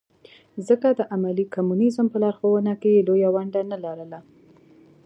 ځکه د عملي کمونیزم په لارښوونه کې یې لویه ونډه نه لرله.